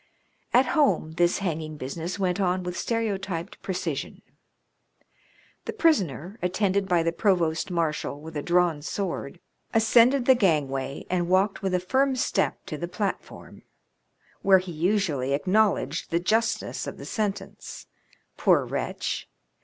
At home this hanging business went on with stereotyped precision. The prisoner, attended by the provost marshal with a drawn sword, ascended the gangway, and walked with a firm step to the platform, where he usually acknowledged the justness of the sentence — poor wretch